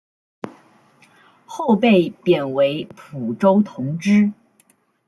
后被贬为蒲州同知。